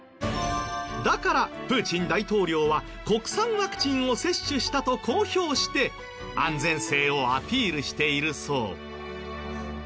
だからプーチン大統領は国産ワクチンを接種したと公表して安全性をアピールしているそう。